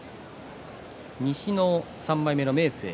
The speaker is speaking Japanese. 西の３枚目の明生